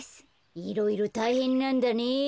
いろいろたいへんなんだね。